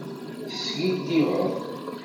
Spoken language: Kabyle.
Teskiddibeḍ.